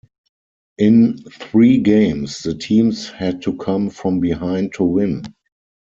In three games the teams had to come from behind to win.